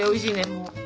もう。